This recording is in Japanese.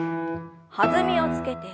弾みをつけて２度。